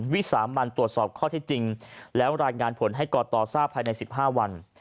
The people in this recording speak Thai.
วิสามันตรวจสอบข้อที่จริงแล้วรายงานผลให้กตทราบภายใน๑๕วัน